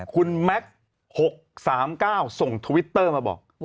คุณแม็กซ์๖๓๙ส่งทวิตเตอร์มาบอก